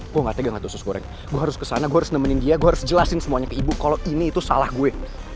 gue gak tega gak tuh sus goreng gue harus kesana gue harus nemenin dia gue harus jelasin semuanya ke ibu kalau ini itu salah gue